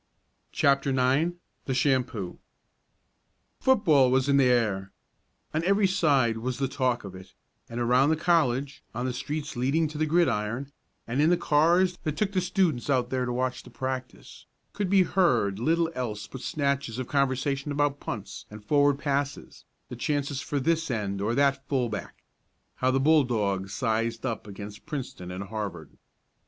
CHAPTER IX THE SHAMPOO Football was in the air. On every side was the talk of it, and around the college, on the streets leading to the gridiron, and in the cars that took the students out there to watch the practice, could be heard little else but snatches of conversation about "punts" and "forward passes," the chances for this end or that fullback how the Bulldog sized up against Princeton and Harvard.